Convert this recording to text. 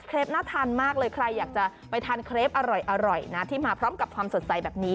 น่าทานมากเลยใครอยากจะไปทานเครปอร่อยนะที่มาพร้อมกับความสดใสแบบนี้